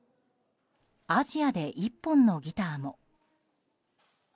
アジアで１本のギターも。